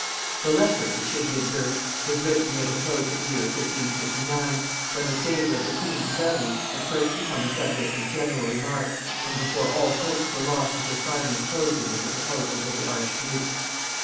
The letter, it should be observed, was written near the close of the year 1559, when the favor of the queen to Dudley had first become a subject of general remark, and before all hopes were lost of her finally closing with the proposals of the archduke.